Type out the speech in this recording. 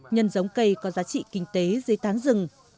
nhân giống cây có giá trị kinh tế dưới tán rừng